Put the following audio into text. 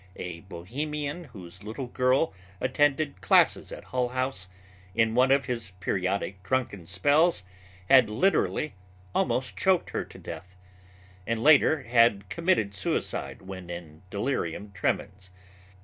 A Bohemian whose little girl attended classes at Hull House, in one of his periodic drunken spells had literally almost choked her to death, and later had committed suicide when in delirium tremens.